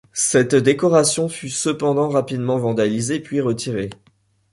Cette décoration fut cependant rapidement vandalisée puis retirée.